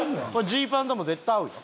ジーパンとも絶対合うよ。